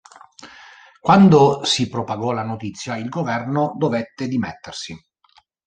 Quando si propagò la notizia, il governo dovette dimettersi.